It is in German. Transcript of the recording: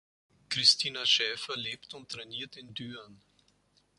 Christina Schäfer lebt und trainiert in Düren.